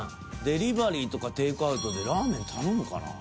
デリバリーとかテイクアウトでラーメン頼むかな。